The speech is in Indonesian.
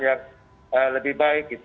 yang lebih baik